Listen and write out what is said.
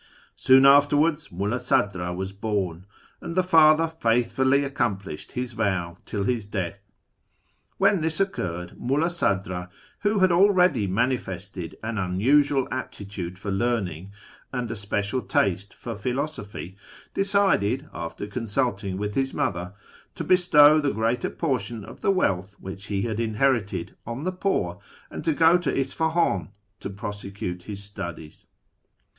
Soon afterwards Mulla Sadra was born, and the father faithfully accomplished his vow till his death. When this occurred, Mulla Sadra, who 9 I30 A YEAR AMONGST THE TEKSIANS IkuI already inanirested an unusual ai)litiulc for learning and a special taste for ]iliiliisopliy, decided, after consulting with his mother, to bestow the greater portion of the wealth which he had inlierited on the poor, and to go to Isfahan to prosecute his studies.